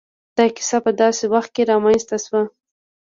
دا کيسه په داسې وخت کې را منځ ته شوه.